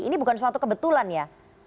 ini bukan suatu kebetulan ya